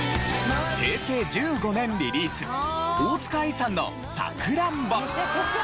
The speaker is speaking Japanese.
平成１５年リリース大塚愛さんの『さくらんぼ』。